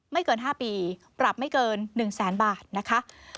เกิน๕ปีปรับไม่เกิน๑แสนบาทนะคะ